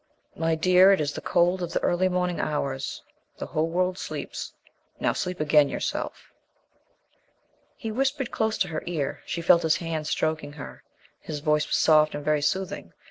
"My dear, it is the cold of the early morning hours. The whole world sleeps. Now sleep again yourself." He whispered close to her ear. She felt his hand stroking her. His voice was soft and very soothing.